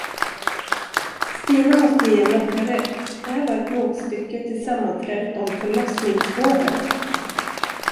Stina måste ge Märta rätt, det här var ett motstycke till sammanträdet om förlossningsvården.